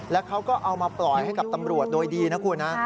แล้วเขาก็เอามาปล่อยให้กับตำรวจโดยดีนะคุณนะ